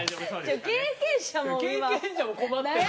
経験者も困ってる。